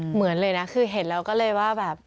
เหมือนเลยนะคือเห็นแล้วก็เลยว่าแบบ